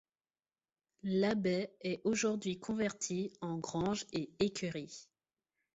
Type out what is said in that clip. L'abbaye est aujourd'hui convertie en grange et écurie.